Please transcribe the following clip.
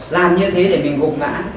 làm như thế để mình gục vã